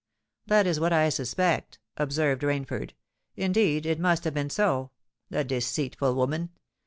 "That is what I suspect," observed Rainford. "Indeed, it must have been so. The deceitful woman!